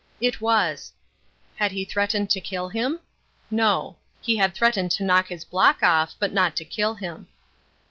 It was. Had he threatened to kill him? No. He had threatened to knock his block off, but not to kill him.